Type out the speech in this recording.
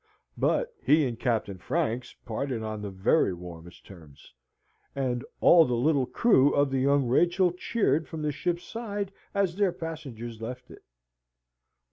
But he and Captain Franks parted on the very warmest terms, and all the little crew of the Young Rachel cheered from the ship's side as their passenger left it.